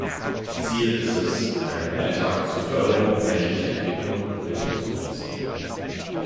Ziel ist es, einen Beitrag zur Förderung menschlicher Entwicklung und Bildung zu leisten.